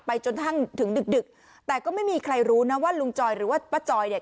จนทั้งถึงดึกดึกแต่ก็ไม่มีใครรู้นะว่าลุงจอยหรือว่าป้าจอยเนี่ย